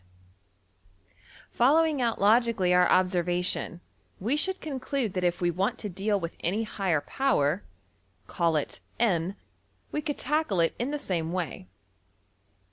} \end{DPalign*} \tb Following out logically our observation, we should conclude that if we want to deal with any higher power, call it $n$ we could tackle it in the same way.